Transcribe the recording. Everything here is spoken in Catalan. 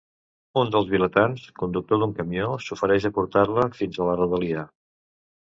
Un dels vilatans, conductor d'un camió, s'ofereix a portar-la fins a la rodalia.